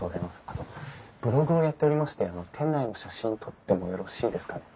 あとブログをやっておりまして店内の写真撮ってもよろしいですかね？